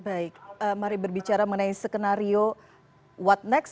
baik mari berbicara mengenai skenario what next